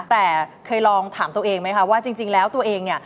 แต่เคยลองถามตัวเองไหมคะว่าจริงแล้วตัวเองเนี่ย